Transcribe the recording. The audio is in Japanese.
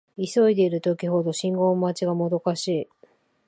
急いでいる時ほど信号待ちがもどかしい